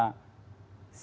siang atau bahkan